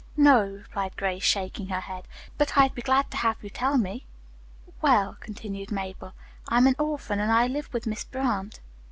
"No," replied Grace, shaking her head, "but I'd be glad to have you tell me." "Well," continued Mabel, "I'm an orphan, and I live with Miss Brant.